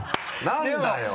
何だよ！